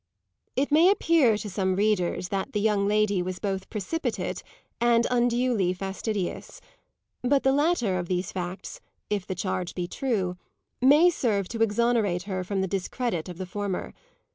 It may appear to some readers that the young lady was both precipitate and unduly fastidious; but the latter of these facts, if the charge be true, may serve to exonerate her from the discredit of the former.